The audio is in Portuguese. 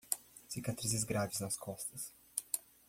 Cicatrizes graves nas costas